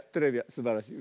すばらしい。